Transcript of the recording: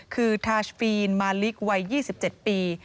คือทาสปีนมาลิกวัย๒๗ปี